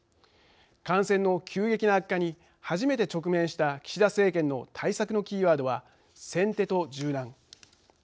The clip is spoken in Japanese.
感染の急激な悪化に初めて直面した岸田政権の対策のキーワードは、先手と柔軟。